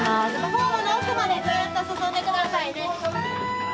ホームの奥までずっと進んで下さいね。